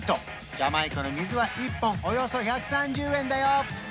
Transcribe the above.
ジャマイカの水は１本およそ１３０円だよ